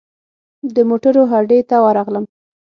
د موټرو هډې ته ورغلم.